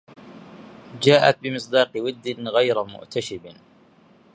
جاءت بمصداق ود غير مؤتشب